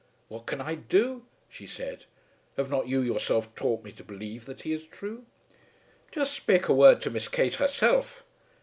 "What can I do?" she said. "Have not you yourself taught me to believe that he is true?" "Just spake a word to Miss Kate herself."